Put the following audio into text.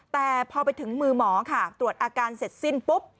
แต่พอไปถึงมือหมอค่ะตรวจอาการเสร็จสิ้นปุ๊บ